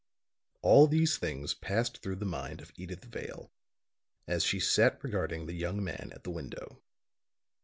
All these things passed through the mind of Edyth Vale, as she sat regarding the young man at the window.